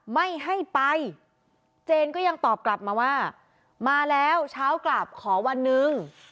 ไม่ให้ไปเจนก็ยังตอบกลับมาว่ามาแล้วเช้ากลับขอวันหนึ่ง